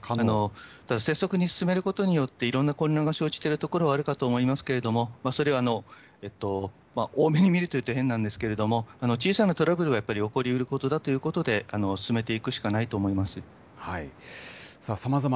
ただ、拙速に進めることによって、いろんな混乱が生じているところはあるかと思いますけれども、それを大目に見るというと変なんですけれども、小さなトラブルはやっぱり起こりうるということで、進めていくしさまざま